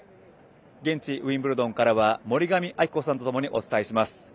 ウィンブルドンからは森上亜希子さんとともにお伝えします。